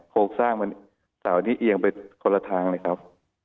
โค้กสร้างเป็นเสาที่เอียงไปคนละทางนะครับ